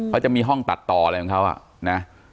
เขาจะมีห้องตัดต่ออะไรของเขานะ